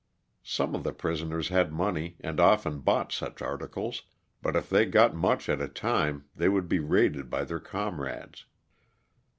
Some of the prisoners had money and often bought such articles, but if they got much at a time they would be raided by their comrades.